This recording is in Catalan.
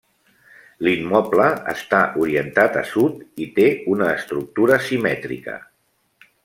L'immoble està orientat a sud i té una estructura simètrica.